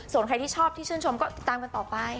ส่วนใครที่ชอบที่ชื่นชมก็ตามกันต่อไป